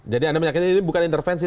jadi anda menyatakan ini bukan intervensi